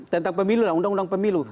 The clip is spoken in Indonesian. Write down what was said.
tentang pemilu dan undang undang pemilu